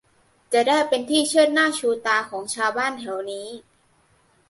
จะได้เป็นที่เชิดหน้าชูตาของชาวบ้านแถวนี้